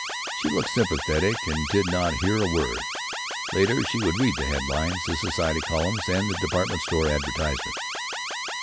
She looked sympathetic and did not hear a word. Later she would read the headlines, the society columns, and the department store advertisements.